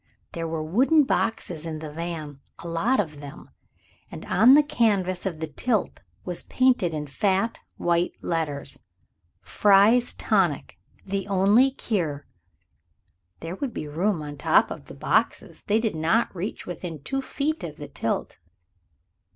There were wooden boxes in the van, a lot of them, and on the canvas of the tilt was painted in fat, white letters ++| FRY'S TONIC |||| THE ONLY CURE |++ There would be room on the top of the boxes they did not reach within two feet of the tilt.